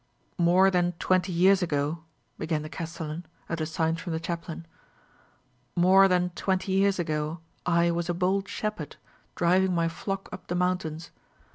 "More than twenty years ago," began the castellan, at a sign from the chaplain "more than twenty years ago I was a bold shepherd, driving my flock up the mountains.